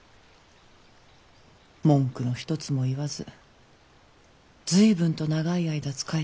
文句の一つも言わず随分と長い間仕えてくれた。